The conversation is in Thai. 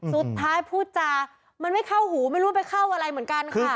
พูดจามันไม่เข้าหูไม่รู้ว่าไปเข้าอะไรเหมือนกันค่ะ